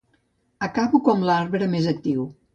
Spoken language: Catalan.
Acabo com l'arbre més actiu.